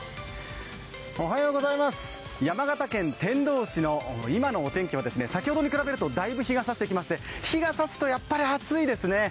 山形県天童市の今のお天気は先ほどに比べるとだいぶ日がさしてきまして日が差すとやっぱり暑いですね。